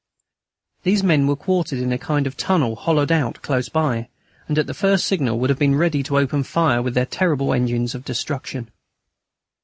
These men were quartered in a kind of tunnel hollowed out close by, and at the first signal would have been ready to open fire with their terrible engines of destruction.